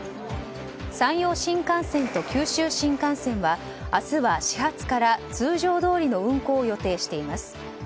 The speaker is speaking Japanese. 山陽新幹線と九州新幹線は明日は、始発から通常どおりの運行を予定しています。